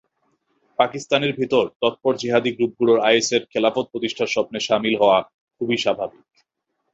পাকিস্তানের ভেতরে তৎপর জিহাদি গ্রুপগুলোর আইএসের খেলাফত প্রতিষ্ঠার স্বপ্নে শামিল হওয়াখুবই স্বাভাবিক।